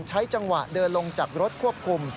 ใช้จังหวะเดินลงจากรถควบคุม